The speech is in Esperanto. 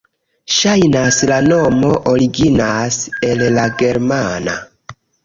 Ŝajnas, la nomo originas el la germana.